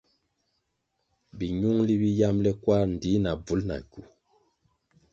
Minungʼli bi yambʼle kwarʼ ndtih na bvul na kywu.